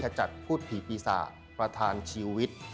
จัดพูดผีปีศาจประธานชีวิต